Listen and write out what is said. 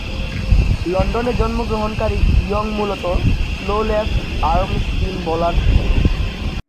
লন্ডনে জন্মগ্রহণকারী ইয়ং মূলতঃ স্লো লেফট-আর্ম স্পিন বোলার ছিলেন।